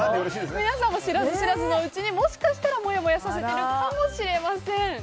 皆さんも知らず知らずのうちにもしかしたらもやもやさせているかもしれません。